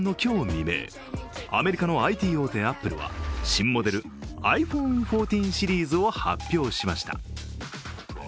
未明アメリカのＩＴ大手アップルは新モデル、ｉＰｈｏｎｅ１４シリーズを発表しました。